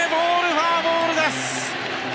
フォアボールです！